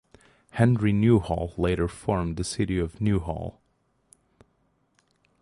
Henry Newhall later formed the city of Newhall.